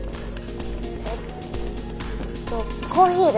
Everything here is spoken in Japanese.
えっとコーヒーで。